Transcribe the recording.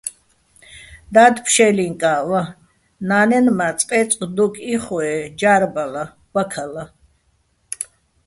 და́დ ფშე́ლინკაჸ ვა, ნა́ნენ მა წყე́წყ დოკ იხო-ე ჯა́რბალა, ბაქალა.